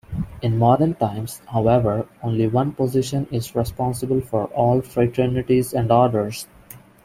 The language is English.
In modern times, however, only one position is responsible for all fraternities and orders.